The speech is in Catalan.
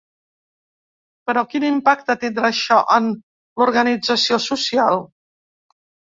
Però quin impacte tindrà això en l’organització social.